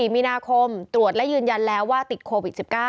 มีนาคมตรวจและยืนยันแล้วว่าติดโควิด๑๙